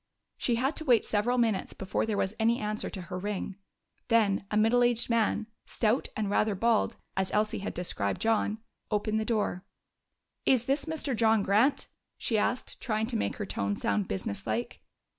She had to wait several minutes before there was any answer to her ring. Then a middle aged man, stout and rather bald, as Elsie had described John, opened the door. "Is this Mr. John Grant?" she asked, trying to make her tone sound business like.